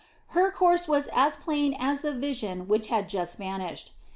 Her course was as plain as the vision which had just vanished.